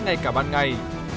ngay cả ban ngày